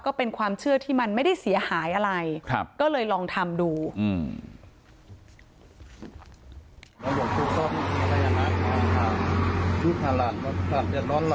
ก็เป็นความเชื่อที่มันไม่ได้เสียหายอะไรก็เลยลองทำดูอืม